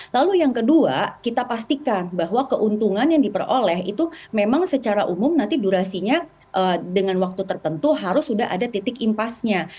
lalu yang kedua kita pastikan bahwa keuntungan yang diperoleh itu memang secara umum nanti durasinya dengan waktu tertentu harus sudah ada titik impasnya